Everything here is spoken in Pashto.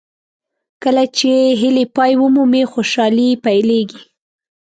کله چې هیلې پای ومومي خوشالۍ پیلېږي.